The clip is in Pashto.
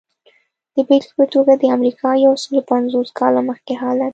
د بېلګې په توګه د امریکا یو سلو پنځوس کاله مخکې حالت.